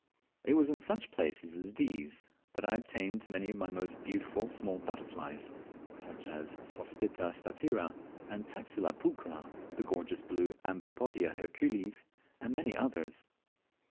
It was in such places as these that I obtained many of my most beautiful small butterflies, such as Sospita statira and Taxila pulchra, the gorgeous blue Amblypodia hercules, and many others.